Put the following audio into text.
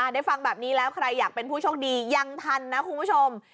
ได้ฟังแบบนี้แล้วใครอยากเป็นผู้โชคดียังทันนะคุณผู้ชม